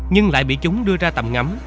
nhưng lại bị chúng đưa ra tầm ngắm